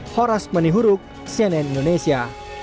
horas menihuruk cnn indonesia